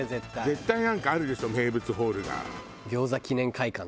絶対なんかあるでしょ名物ホールが。